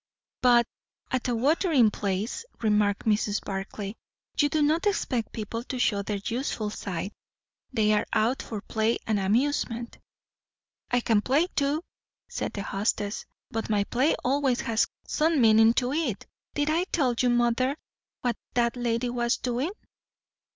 "But at a watering place," remarked Mrs. Barclay, "you do not expect people to show their useful side. They are out for play and amusement." "I can play too," said the hostess; "but my play always has some meaning to it. Did I tell you, mother, what that lady was doing?"